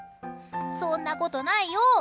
そんなことないよ。